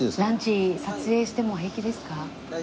ランチ撮影しても平気ですか？